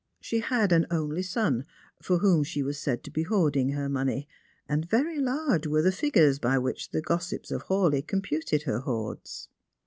She had an only son, for whom she was said to be hoarding her money, and very large were the figures by which the gossips of Hawleigh computed her hoards.